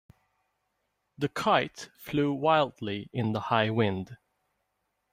The kite flew wildly in the high wind.